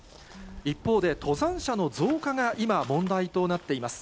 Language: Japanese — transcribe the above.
一方で、登山者の増加が今、問題となっています。